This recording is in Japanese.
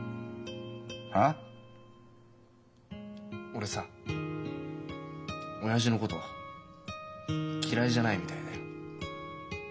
俺さ親父のこと嫌いじゃないみたいだよ。